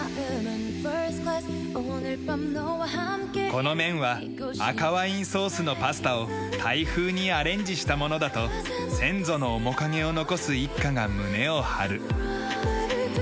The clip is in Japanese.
この麺は赤ワインソースのパスタをタイ風にアレンジしたものだと先祖の面影を残す一家が胸を張る。